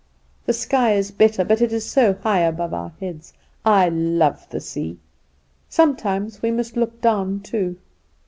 The sky is better, but it is so high above our heads. I love the sea. Sometimes we must look down too.